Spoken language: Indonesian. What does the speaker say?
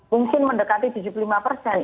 mungkin mendekati tujuh puluh lima persen